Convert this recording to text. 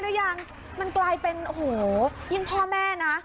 แล้วยังมันปลายเป็นหูยังพ่อแม่นะ